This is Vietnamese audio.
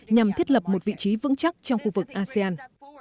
nhằm thiết lập một vị trí vững chắc trong khu vực asean